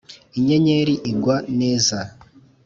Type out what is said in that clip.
inyenyeri igwa neza